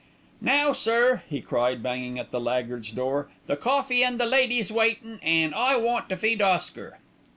"Now, sir," he cried, banging at the laggard's door, "the coffee and the lady's waitin', an' I want to feed Oscar."